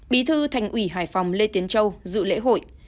bí thư thành ủy hải phòng lê tiến châu dự lễ hội